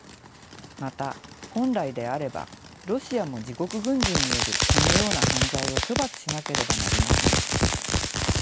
また本来であればロシアも自国軍人によるこのような犯罪を処罰しなければなりません。